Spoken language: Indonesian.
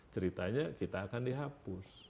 ceritanya kita akan dihapus